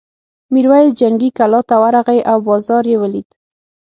میرويس جنګي کلا ته ورغی او بازار یې ولید.